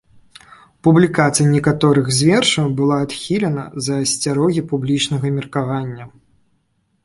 Публікацыя некаторых з вершаў была адхілена з-за асцярогі публічнага меркавання.